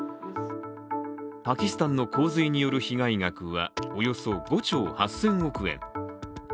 パキスタンの洪水による被害額はおよそ５兆８０００億円。